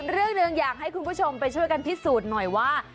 เรื่องหนึ่งอยากให้คุณผู้ชมไปช่วยกันพิสูจน์หน่อยว่า